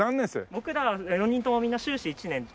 僕ら４人ともみんな修士１年で。